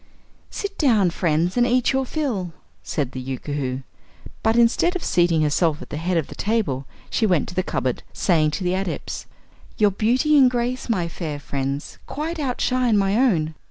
"Sit down, friends, and eat your fill," said the Yookoohoo, but instead of seating herself at the head of the table she went to the cupboard, saying to the Adepts: "Your beauty and grace, my fair friends, quite outshine my own.